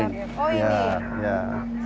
sini ada usb katanya